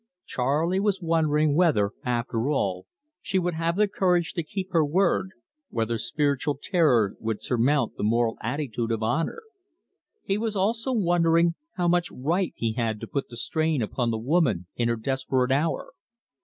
Charley was wondering whether, after all, she would have the courage to keep her word, whether spiritual terror would surmount the moral attitude of honour. He was also wondering how much right he had to put the strain upon the woman in her desperate hour.